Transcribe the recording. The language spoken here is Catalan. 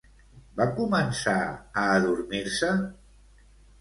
Va començar a adormir-se?